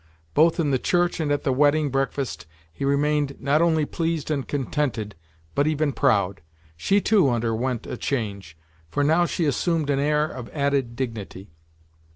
Both in the church and at the wedding breakfast he remained not only pleased and contented, but even proud. She too underwent a change, for now she assumed an air of added dignity.